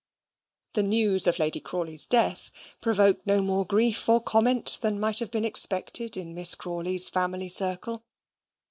The news of Lady Crawley's death provoked no more grief or comment than might have been expected in Miss Crawley's family circle.